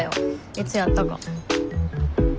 いつやったか。